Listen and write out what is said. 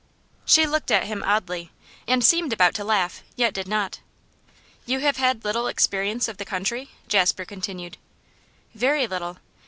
She looked at him oddly, and seemed about to laugh, yet did not. 'You have had little experience of the country?' Jasper continued. 'Very little.